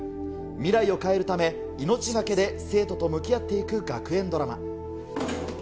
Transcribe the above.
未来を変えるため、命懸けで生徒と向き合っていく学園ドラマ。